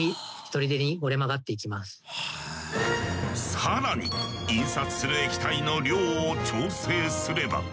更に印刷する液体の量を調整すれば。